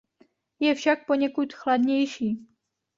Je však poněkud chladnější.